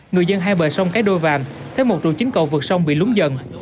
người dân hai bờ sông cái đôi vàm thấy một trụ chính cầu vượt sông bị lúng dần